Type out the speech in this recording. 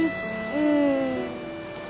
うん。